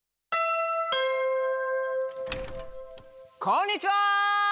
こんにちは！